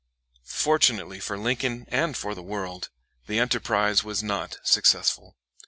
Fortunately for Lincoln and for the world, the enterprise was not successful.